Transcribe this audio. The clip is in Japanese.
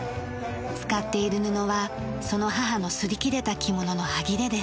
使っている布はその母のすり切れた着物の端切れです。